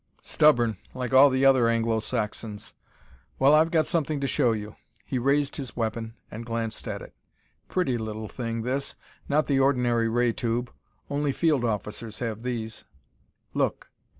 "Stubborn, like all the other Anglo Saxons. Well, I've got something to show you." He raised his weapon and glanced at it. "Pretty little thing, this. Not the ordinary ray tube. Only field officers have these. Look."